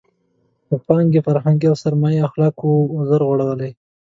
د پانګې فرهنګ او د سرمایې اخلاقو وزر غوړولی.